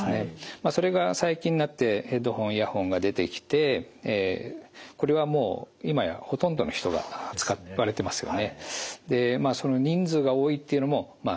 まあそれが最近になってヘッドホン・イヤホンが出てきてこれはもう今やほとんどの人が使われてますよね。